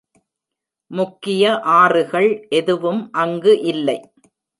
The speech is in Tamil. முக்கிய ஆறுகள் எதுவும் அங்கு இல்லை.